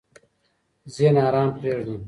ذهن ارام پرېږده.